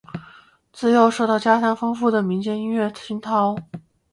自幼受到家乡丰富的民间音乐熏陶。